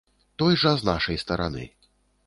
Той жа з нашай стараны.